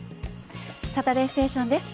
「サタデーステーション」です。